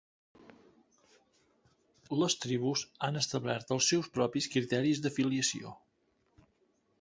Les tribus han establert els seus propis criteris d'afiliació.